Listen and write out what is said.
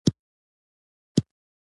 سندره د وجدان آواز ده